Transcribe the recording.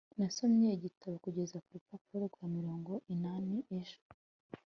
nasomye igitabo kugeza ku rupapuro rwa mirongo inani ejo